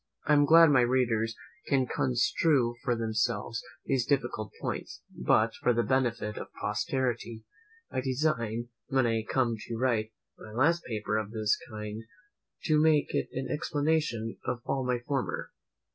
I am glad my readers can construe for themselves these difficult points; but, for the benefit of posterity, I design, when I come to write my last paper of this kind, to make it an explanation of all my former.